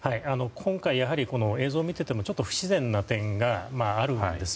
今回、映像を見ていてもちょっと不自然な点があります。